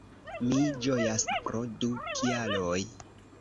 Mi ĝojas pro du kialoj